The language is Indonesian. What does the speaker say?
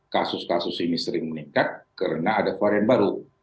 kasus kasus ini sering meningkat karena ada varian baru